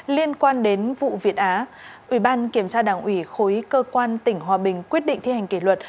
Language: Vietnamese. liên quan đến vụ việt á ủy ban kiểm tra đảng ủy khối cơ quan tỉnh hòa bình quyết định thi hành kỷ luật